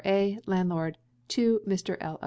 A. (landlord). To Mr. L.